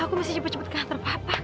aku masih cepat cepat ke kantor bapak